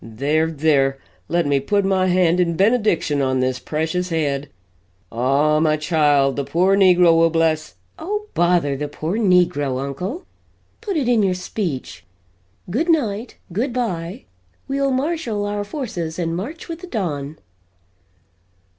There there let me put my hand in benediction on this precious head. Ah, my child, the poor negro will bless " "Oh bother the poor negro, uncle! Put it in your speech. Good night, good bye we'll marshal our forces and march with the dawn!"